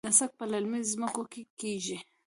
نسک په للمي ځمکو کې کیږي.